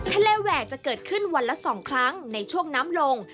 แหวกจะเกิดขึ้นวันละ๒ครั้งในช่วงน้ำลง